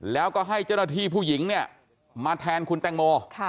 แล้วก็ให้เจ้าหน้าที่ผู้หญิงเนี่ยมาแทนคุณแตงโม